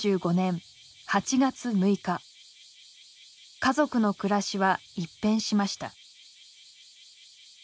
家族の暮らしは一変しました。